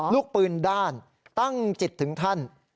ลูกปืนด้านตั้งจิตถึงท่าน